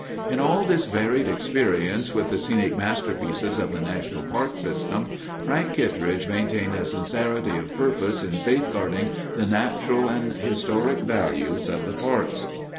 In all this varied experience with the scenic masterpieces of the national park system, Frank Kittredge maintained a sincerity of purpose in safeguarding the natural and historic values of the parks.